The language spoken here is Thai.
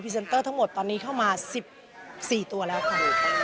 เซนเตอร์ทั้งหมดตอนนี้เข้ามา๑๔ตัวแล้วค่ะ